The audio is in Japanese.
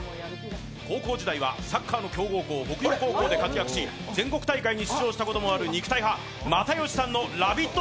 高校時代はサッカーの強豪校北陽高校に出場し、全国大会に出場したこともある肉体派、又吉さんの「ラヴィット！」